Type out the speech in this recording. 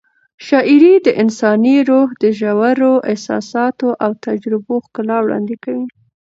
شاعري د انساني روح د ژورو احساساتو او تجربو ښکلا وړاندې کوي.